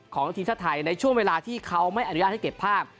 ของทีมชาติไทยในช่วงเวลาที่เขาไม่อนุญาตให้เก็บภาพ